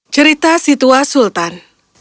cerita si tua sultan